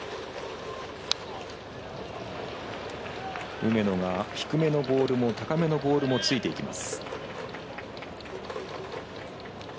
梅野が低めのボールも高めのボールもついていきます。